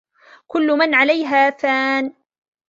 كل من عليها فان